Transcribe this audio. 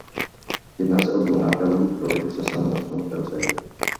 Jedná se o dvounápravový trolejbus se samonosnou karoserií.